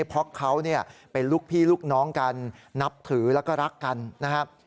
เพราะเขาเป็นลูกพี่ลูกน้องกันนับถือแล้วก็รักกันนะครับ